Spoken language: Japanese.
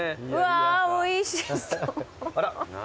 あらおいしそう。